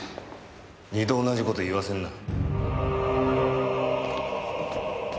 二度同じ事言わせんな。